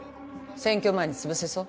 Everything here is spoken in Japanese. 選挙前につぶせそう？